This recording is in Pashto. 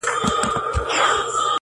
وځم له كوره له اولاده شپې نه كوم؛